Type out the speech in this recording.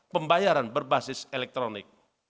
pembayaran berbasis elektronik